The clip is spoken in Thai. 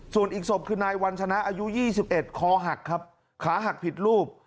ส่วนอีกศพคือนายวัญชนะอายุ๒๑คอหักครับขาหักผิดรูป